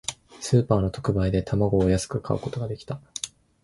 スーパーの特売で、卵を安く買うことができた。